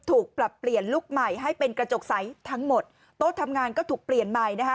ถูกปรับเปลี่ยนลุคใหม่ให้เป็นกระจกใสทั้งหมดโต๊ะทำงานก็ถูกเปลี่ยนใหม่นะคะ